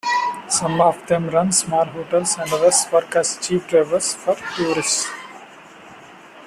Some of them run small hotels and others work as jeep drivers for tourists.